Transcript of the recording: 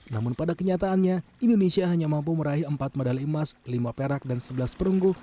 namun pada kenyataannya indonesia hanya mampu meraih empat medali emas lima perak dan sebelas perunggu